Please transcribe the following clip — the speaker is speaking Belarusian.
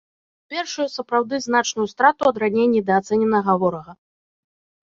Першую сапраўды значную страту ад раней недаацэненага ворага.